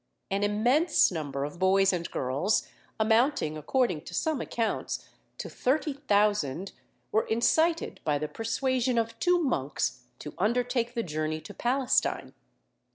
An immense number of boys and girls, amounting, according to some accounts, to thirty thousand, were incited by the persuasion of two monks to undertake the journey to Palestine.